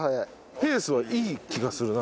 ペースはいい気がするな。